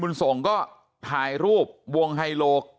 บุญส่งทายรูปวงไฮโลกลับมาให้ดู